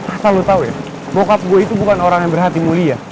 asal lo tau ya bokap gue itu bukan orang yang berhati mulia